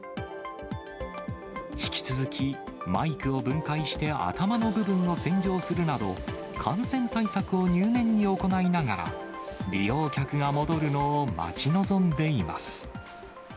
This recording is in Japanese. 引き続き、マイクを分解して頭の部分を洗浄するなど、感染対策を入念に行いながら、利用客が戻るのを待ち望んでいます。